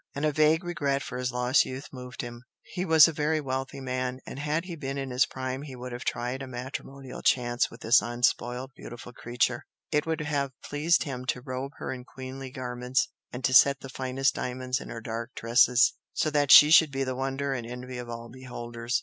And a vague regret for his lost youth moved him; he was a very wealthy man, and had he been in his prime he would have tried a matrimonial chance with this unspoilt beautiful creature, it would have pleased him to robe her in queenly garments and to set the finest diamonds in her dark tresses, so that she should be the wonder and envy of all beholders.